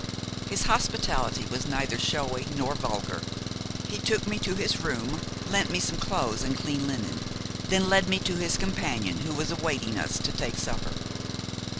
His hospitality was neither showy nor vulgar. He took me to his room, lent me some clothes and clean linen; then led me to his companion, who was awaiting us to take supper.